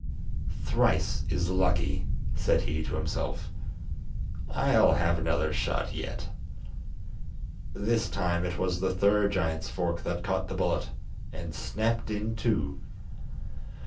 "Thrice is lucky," said he to himself; "I'll have another shot yet." This time it was the third giant's fork that caught the bullet, and snapped in two.